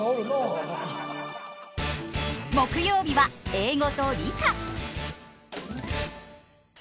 木曜日は英語と理科。